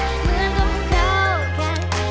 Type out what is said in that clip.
เหลืองกับเค้าแค่